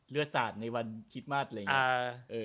สาดในวันคิดมาสอะไรอย่างนี้